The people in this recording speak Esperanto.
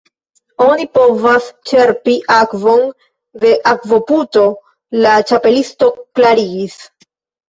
"Oni povas ĉerpi akvon el akvoputo," la Ĉapelisto klarigis.